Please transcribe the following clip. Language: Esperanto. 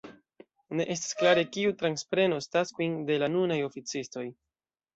Ne estas klare kiu transprenos taskojn de la nunaj oficistoj.